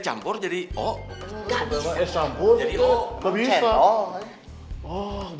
jaga jarak aman